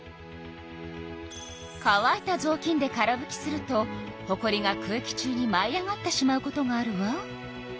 かわいたぞうきんでからぶきするとほこりが空気中にまい上がってしまうことがあるわ。